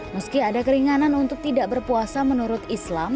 meski ada keringanan untuk tidak berpuasa menurut islam